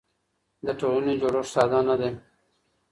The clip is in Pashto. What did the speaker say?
د ټولنې جوړښت ساده نه دی.